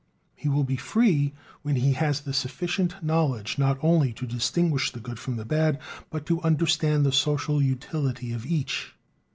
He will be free when he has sufficient knowledge not only to distinguish the good from the bad, but to understand the social utility of each.